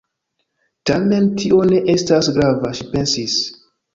"Tamen tio ne esta grava," ŝi pensis.